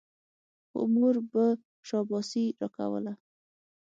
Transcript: خو مور به شاباسي راکوله.